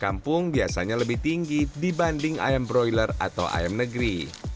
kampung biasanya lebih tinggi dibanding ayam broiler atau ayam negeri